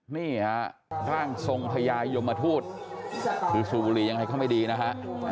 นี่ฮะร่างทรงพญายมทูตคือสูบบุหรี่ยังไงก็ไม่ดีนะฮะ